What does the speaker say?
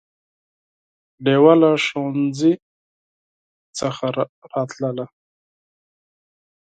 ډېوه له ښوونځي څخه راتلله